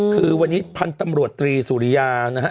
คือวันนี้พันธุ์ตำรวจตรีสุริยานะฮะ